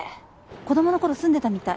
子供の頃住んでたみたい。